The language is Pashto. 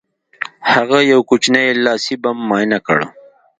هغه یو کوچنی لاسي بم معاینه کړ